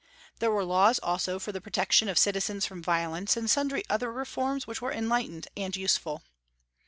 There were laws also for the protection of citizens from violence, and sundry other reforms which were enlightened and useful.